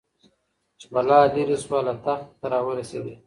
چي بلا ليري سوه له تخته ته راورسېدې